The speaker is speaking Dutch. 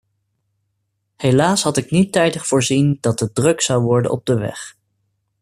Helaas had ik niet tijdig voorzien dat het druk zou worden op de weg.